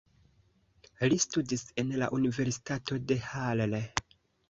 Li studis en la Universitato de Halle.